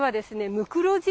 ムクロジ。